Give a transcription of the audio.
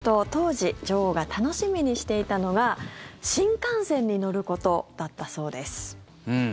多賀さんによりますと当時、女王が楽しみにしていたのが新幹線に乗ることだったそうです。